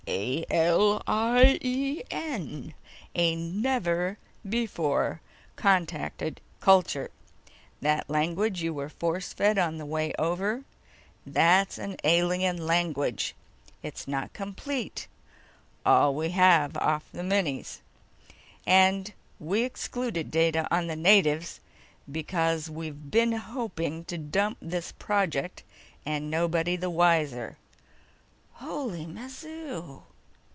A L I E N! A never before contacted culture. That language you were force fed on the way over, that's an alien language. It's not complete ... all we have off the minis. And we excluded data on the natives because we've been hoping to dump this project and nobody the wiser." "Holy mazoo!"